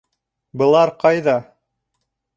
Былар ҡайҙа?